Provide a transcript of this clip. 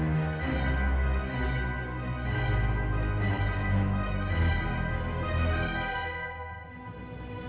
saya berharap rencana ini bisa berjalan lebih cepat pak